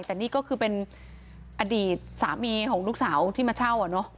แต่นี่ก็คือเป็นอดีตสามีของลูกสาวที่มาเช่า